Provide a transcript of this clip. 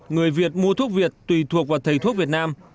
người việt mua thuốc việt tùy thuộc vào thầy thuốc việt nam